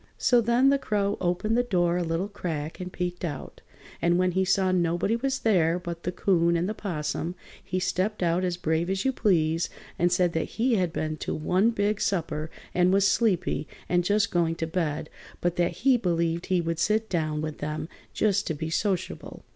So then the Crow opened the door a little crack and peeked out, and when he saw nobody was there but the 'Coon and the 'Possum he stepped out as brave as you please and said that he had been to one big supper and was sleepy and just going to bed, but that he believed he would sit down with them just to be sociable.